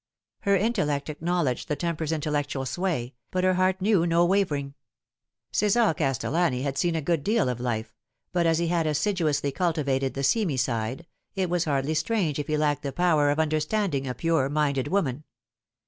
Her in tellect acknowledged the tempter's intellectual sway, but her heart knew no wavering. Cesar Castellani had seen a good deal of life, but as he had assiduously cultivated the seamy side, it was hardly strange if he lacked the power of understanding a pure minded woman.